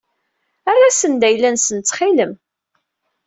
Err-asen-d ayla-nsen ttxil-m.